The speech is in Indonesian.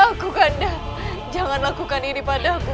agar normalnya tak ke vasis polosku